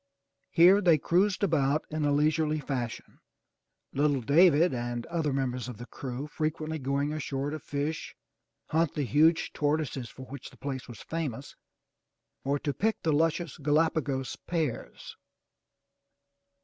Here they cruised about in a leisurely fashion, little David and other mem bers of the crew frequently going ashore to fish, hunt the huge tortoises for which the place was famous, or to pick the luscious Galapagos pears.